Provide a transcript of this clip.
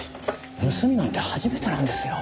盗みなんて初めてなんですよ。